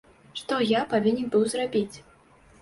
Што я павінен быў зрабіць?